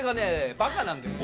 バカなんですよ。